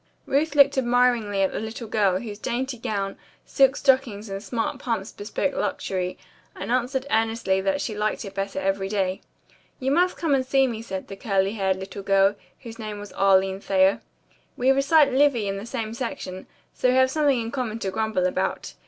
Ruth looked admiringly at the little girl, whose dainty gown, silk stockings and smart pumps bespoke luxury, and answered earnestly that she liked it better every day. "You must come and see me," said the curly haired little girl, whose name was Arline Thayer. "We recite Livy in the same section, so we have something in common to grumble about.